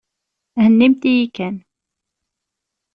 Hennimt-yi kan.